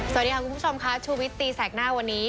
สวัสดีค่ะคุณผู้ชมค่ะชูวิตตีแสกหน้าวันนี้